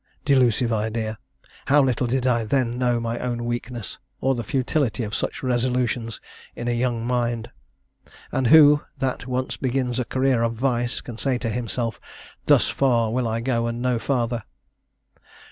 Delusive idea! how little did I then know my own weakness, or the futility of such resolutions in a young mind! And who, that once begins a career of vice, can say to himself, "Thus far will I go, and no farther?"